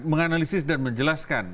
menganalisis dan menjelaskan